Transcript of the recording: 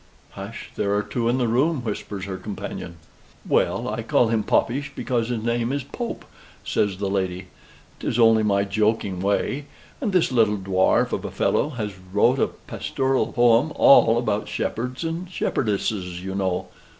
"Hush, there are two in the room," whispers her companion. "Well, I call him Popish because his name is Pope," says the lady. "'Tis only my joking way. And this little dwarf of a fellow has wrote a pastoral poem all about shepherds and shepherdesses, you know."